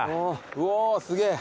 うおすげえ。